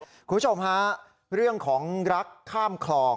คุณผู้ชมฮะเรื่องของรักข้ามคลอง